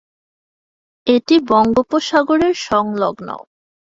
এটি বঙ্গোপসাগরের সংলগ্ন।